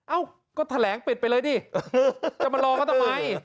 เอ้าก็แถลงปิดไปเลยดิจะมารอเขาทำไม